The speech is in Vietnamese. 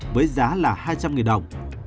với giá là hai trăm linh đồng